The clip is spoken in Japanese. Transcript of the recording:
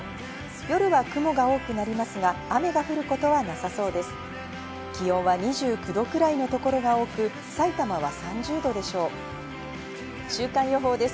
夜は雲が多くなりますが雨が降ることはなさそうです。